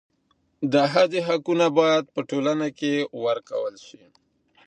د ښځي حقونه باید په ټولنه کي ورکول سي.